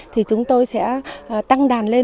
thì chúng tôi sẽ tăng đàn lên